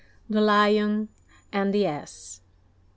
THE LION AND THE ASS.